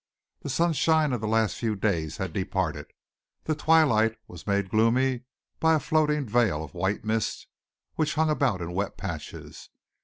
The sunshine of the last few days had departed. The twilight was made gloomy by a floating veil of white mist, which hung about in wet patches.